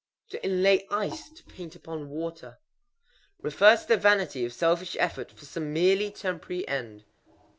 _ To inlay ice; to paint upon water. Refers to the vanity of selfish effort for some merely temporary end.